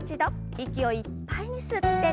息をいっぱいに吸って。